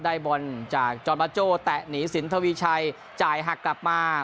ได้บอลจากจอนตร์ดาโจแตะหนีศีลทวีชัยจ่ายหักกลับมา